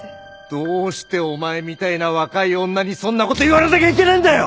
どうしてお前みたいな若い女にそんなこと言われなきゃいけねえんだよ！